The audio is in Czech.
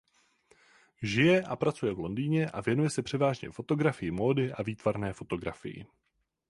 Žije a pracuje v Londýně a věnuje se převážně fotografii módy a výtvarné fotografii.